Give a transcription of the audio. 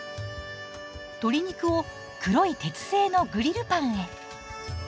鶏肉を黒い鉄製のグリルパンへ。